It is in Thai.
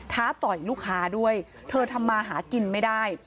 ต่อยลูกค้าด้วยเธอทำมาหากินไม่ได้